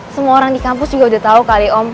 semua orang di kampus juga udah tahu kali om